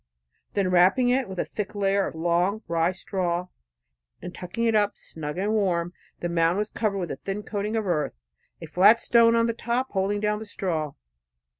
Then wrapping it about with a thick layer of long rye straw, and tucking it up snug and warm, the mound was covered, with a thin coating of earth, a flat stone on the top holding down the straw.